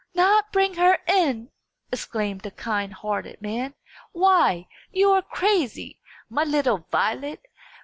"Not bring her in!" exclaimed the kind hearted man. "Why, you are crazy, my little Violet!